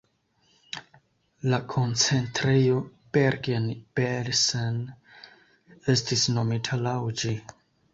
La koncentrejo Bergen-Belsen estis nomita laŭ ĝi.